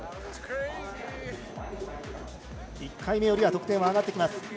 １回目よりは得点は上がってきます。